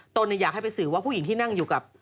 อยากให้ไปสื่อว่าผู้หญิงที่นั่งอยู่กับ